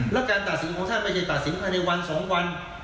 และการตัดสินของท่านไม่ใช่ตัดสินภัณฑ์ในวันสองวัน